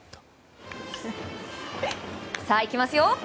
さあ、行きますよ！